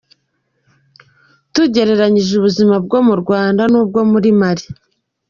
T: Tugereranyirize ubuzima bwo mu Rwanda n’ubwo muri Mali.